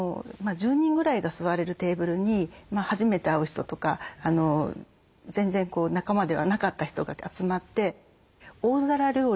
１０人ぐらいが座れるテーブルに初めて会う人とか全然仲間ではなかった人が集まって大皿料理を分け合って食べるんですね。